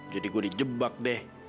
jadi gue dijebak deh